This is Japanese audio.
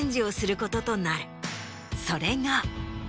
それが。